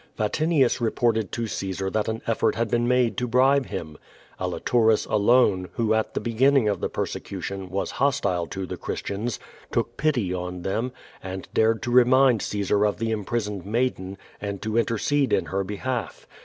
A'atinius rejmrted to Caesar that an effort liad been made to bribe him. Alitunis alone, who at the l)eginning of the ]>ersecution was hostile to tlie Christians, took j)ity on them, and dared to remind C;ies:ir of the im ])risoned maiden, and to intercede in her behalf.